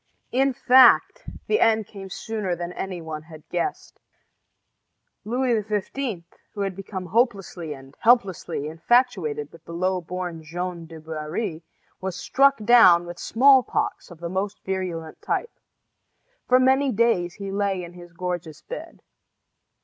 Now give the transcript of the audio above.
In fact, the end came sooner than any one had guessed. Louis XV., who had become hopelessly and helplessly infatuated with the low born Jeanne du Barry, was stricken down with smallpox of the most virulent type. For many days he lay in his gorgeous bed.